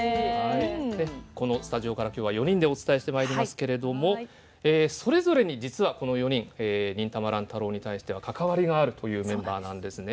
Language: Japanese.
このスタジオから今日は４人でお伝えしてまいりますけれどもそれぞれに実はこの４人「忍たま乱太郎」に対しては関わりがあるというメンバーなんですね。